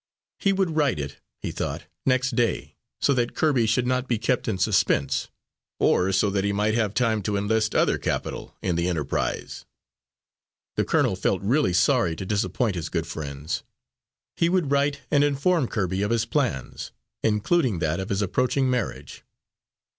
He would write it, he thought, next day, so that Kirby should not be kept in suspense, or so that he might have time to enlist other capital in the enterprise. The colonel felt really sorry to disappoint his good friends. He would write and inform Kirby of his plans, including that of his approaching marriage.